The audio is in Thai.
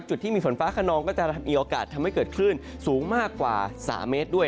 จุดที่มีฝนฟ้าขนองก็จะมีโอกาสทำให้เกิดคลื่นสูงมากกว่า๓เมตรด้วย